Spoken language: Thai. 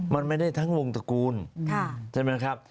มันไม่ได้ทั้งวงตระกูลใช่ไหมครับ